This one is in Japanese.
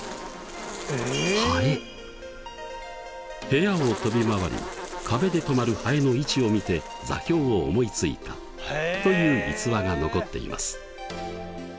部屋を飛び回り壁で止まるはえの位置を見て座標を思いついたという逸話が残っています。